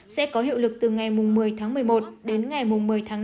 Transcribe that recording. sẽ có hiệu lực từ ngày một mươi tháng một mươi một đến ngày một mươi tháng năm